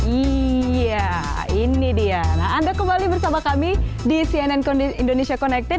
iya ini dia nah anda kembali bersama kami di cnn indonesia connected